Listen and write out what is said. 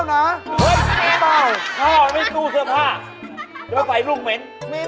แล้วเอาไว้ลูกเหม็น